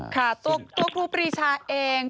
ตัวครูพี่ชาเอง